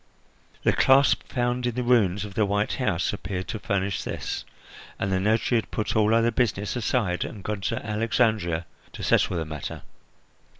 The clasp found in the ruins of the white house appeared to furnish this, and the notary had put all other business aside and gone to Alexandria to settle the matter.